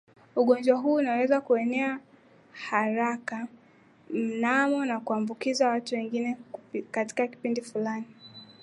Ugonjwa huu unaweza kuenea kwa haraka mno na kuambukiza watu wengi katika kipindi kifupi